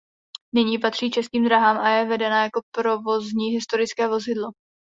Nyní patří Českým drahám a je vedena jako provozní historické vozidlo.